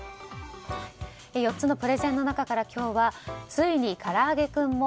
４つのプレゼンの中から今日はついに、からあげクンも。